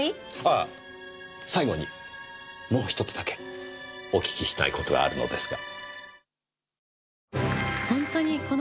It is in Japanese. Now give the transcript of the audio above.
ああ最後にもう１つだけお訊きしたいことがあるのですが。